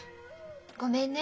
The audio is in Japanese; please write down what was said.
ごめんね。